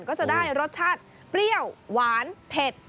ก็จะได้รสชาติเปรี้ยวหวานเผ็ด